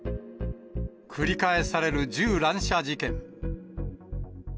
繰り返される銃乱射事件。